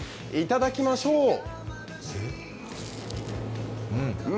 いただきましょう。